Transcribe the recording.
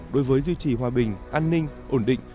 đối với duy trì hòa bình an ninh ổn định